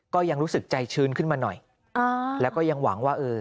ก็ยังรู้สึกใจชื้นขึ้นมาหน่อยอ่าแล้วก็ยังหวังว่าเออ